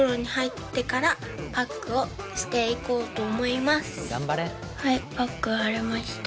まずはいパック貼れました。